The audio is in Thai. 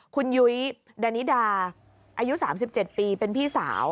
คุณยุ้ยดานิดาอายุ๓๗ปีเป็นพี่สาว